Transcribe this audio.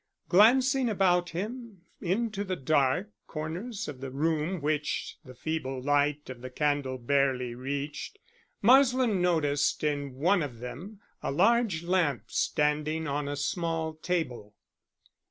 Glancing about him into the dark corners of the room which the feeble light of the candle barely reached, Marsland noticed in one of them a large lamp standing on a small table.